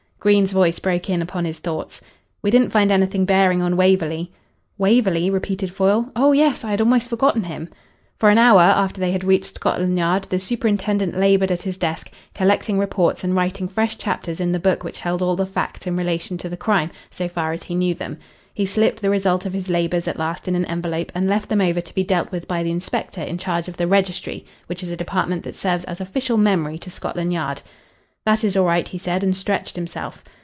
Green's voice broke in upon his thoughts. "We didn't find anything bearing on Waverley." "Waverley?" repeated Foyle. "Oh yes, I had almost forgotten him." For an hour after they had reached Scotland Yard the superintendent laboured at his desk, collecting reports and writing fresh chapters in the book which held all the facts in relation to the crime, so far as he knew them. He slipped the result of his labours at last in an envelope and left them over to be dealt with by the inspector in charge of the Registry, which is a department that serves as official memory to Scotland Yard. "That is all right," he said, and stretched himself.